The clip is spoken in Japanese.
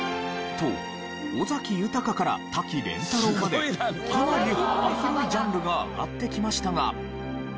と尾崎豊から瀧廉太郎までかなり幅広いジャンルが挙がってきましたが。